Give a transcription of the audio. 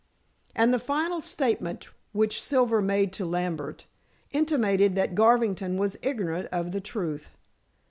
And the final statement which Silver made to Lambert intimated that Garvington was ignorant of the truth.